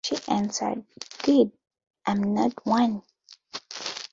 She answered, Good, I'm not one.